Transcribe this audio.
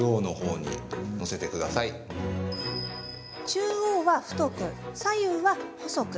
中央は太く左右は細く。